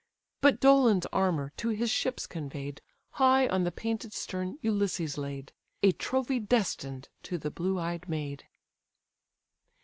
But Dolon's armour, to his ships convey'd, High on the painted stern Ulysses laid, A trophy destin'd to the blue eyed maid.